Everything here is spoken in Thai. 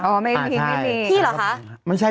อ๋อมันอันที่นี่วันนี้